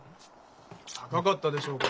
高かったでしょう？